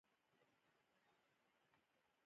ویې ویل چې په دې کتاب کې غلطۍ موجودې دي.